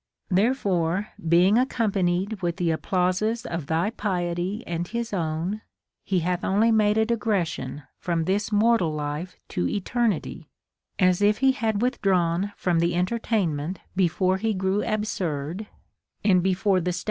Therefore, being accompanied Avith the applauses of thy piety and his own, he hath only made a digression from this mortal life to eternity, as if he had withdrawn from the entertainment before he grew absurd, and before the stag 336 CONSOLATION TO APOLLONIUS.